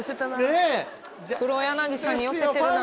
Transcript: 黒柳さんに寄せてるな。